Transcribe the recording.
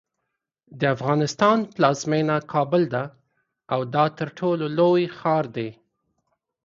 د افغانستان پلازمینه کابل ده او دا ترټولو لوی ښار دی.